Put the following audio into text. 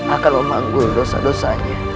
akan memanggul dosa dosanya